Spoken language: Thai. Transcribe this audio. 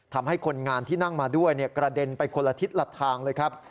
ทำให้คนงานที่นั่งมาด้วยกระเด็นไปคนละทิศละทางเลยครับ